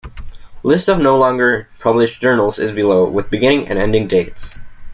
List of no longer published journals is below, with beginning and ending dates.